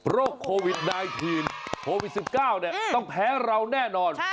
โรคโควิด๑๙โควิด๑๙ต้องแพ้เราแน่นอน